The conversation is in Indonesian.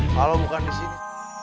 kalau bukan disini